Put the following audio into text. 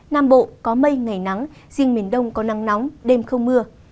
nam bộ có mây ngày nắng riêng miền đông có nắng nóng đêm không mưa